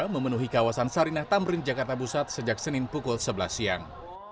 memenuhi kawasan sarinah tamrin jakarta pusat sejak senin pukul sebelas siang